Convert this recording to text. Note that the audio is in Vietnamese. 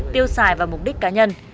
tiêu xài vào mục đích cá nhân